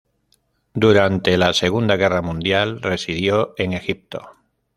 Durante la Segunda Guerra Mundial residió en Egipto.